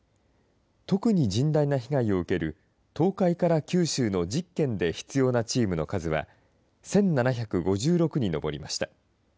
特に甚大な被害を受ける、東海から九州の１０県で必要なチームの数は１７５６に上りました。